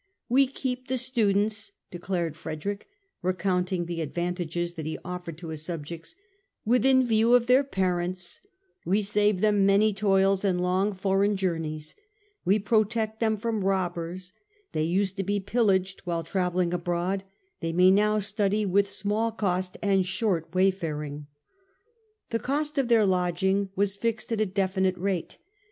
" We keep the students," declared Frederick, recounting the advantages that he offered to his subjects, " within view of their parents : we save them many toils and long foreign journeys : we protect them from robbers ; they used to be pillaged while travelling abroad ; they may now study with small cost and short wayfaring." The cost of their lodging was fixed at a definite rate.